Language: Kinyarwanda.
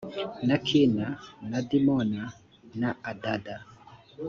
na kina na dimona na adada